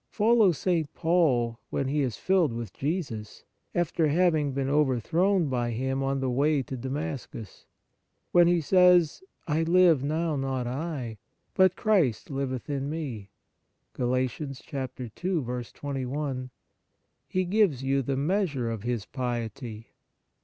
Follow St. Paul when he is filled with Jesus, after having been over thrown by Him on the way to Damascus. When he says, " I live, now not I ; but Christ liveth in me,"^ * Gal. ii. 21. The Fruits of Piety he gives you the measure of his piety.